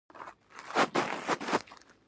د ژوندانه د اساسي اړتیاو پوره کول د پرمختیا هدف دی.